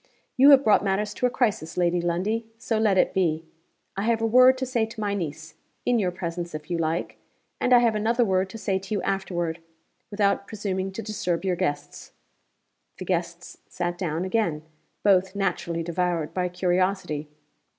'You have brought matters to a crisis, Lady Lundie. So let it be. I have a word to say to my niece (in your presence, if you like); and I have another word to say to you afterward without presuming to disturb your guests.' The guests sat down again (both naturally devoured by curiosity).